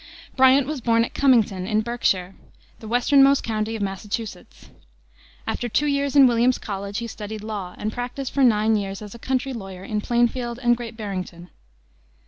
Bryant was born at Cummington, in Berkshire, the westernmost county of Massachusetts. After two years in Williams College he studied law, and practiced for nine years as a country lawyer in Plainfield and Great Barrington.